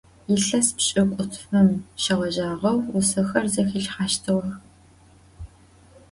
Yilhes pş'ık'utfım şêğejağeu vusexer zexilhheştığex.